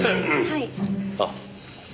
はい。